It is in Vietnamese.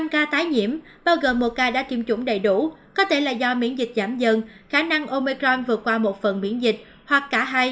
năm ca tái nhiễm bao gồm một ca đã tiêm chủng đầy đủ có thể là do miễn dịch giảm dần khả năng omecron vượt qua một phần miễn dịch hoặc cả hai